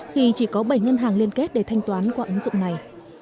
khi chỉ có bảy ngân hàng liên kết để thanh toán qua ứng dụng này